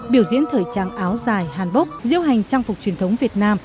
biểu diễn thời trang áo dài hàn bốc diễu hành trang phục truyền thống việt nam